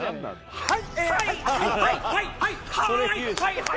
はい！